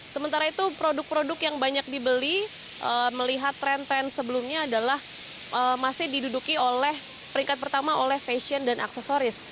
sementara itu produk produk yang banyak dibeli melihat tren tren sebelumnya adalah masih diduduki oleh peringkat pertama oleh fashion dan aksesoris